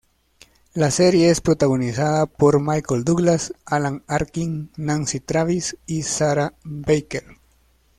La serie es protagonizada por Michael Douglas, Alan Arkin, Nancy Travis, y Sarah Baker.